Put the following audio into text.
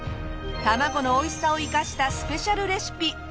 たまごのおいしさを生かしたスペシャルレシピ。